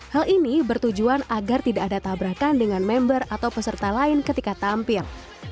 hal ini bertujuan agar tidak ada tabrakan dengan member atau peserta lain ketika tampil